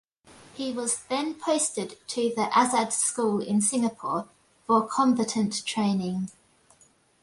He was then posted to the Azad School in Singapore for Combatant Training.